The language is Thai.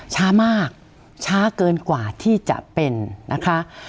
ช้ามากช้าเกินกว่าที่จะเป็นนะคะ